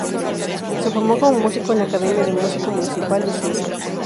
Se formó como músico en la Academia de Música Municipal de Cieza.